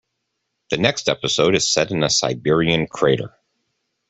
The next episode is set in a Siberian crater.